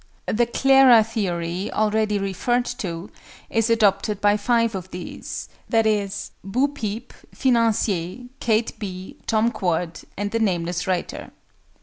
The "Clara" theory, already referred to, is adopted by 5 of these, viz., BO PEEP, FINANCIER, KATE B., TOM QUAD, and the nameless writer.